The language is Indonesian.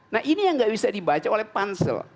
nah ini yang nggak bisa dibaca oleh pansel